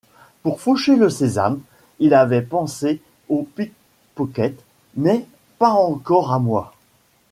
Pour faucher le sésame, ils avaient pensé au pickpocket, mais pas encore à moi.